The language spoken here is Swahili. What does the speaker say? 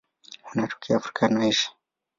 Wanatokea Afrika na Asia.